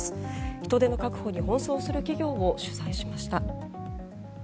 人手の確保に奔走する企業を取材しました。